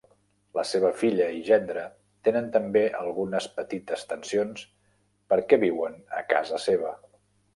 La seva filla i gendre tenen també algunes petites tensions perquè viuen a casa seva.